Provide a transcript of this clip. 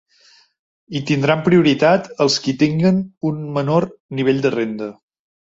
Hi tindran prioritat els qui tinguen un menor nivell de renda.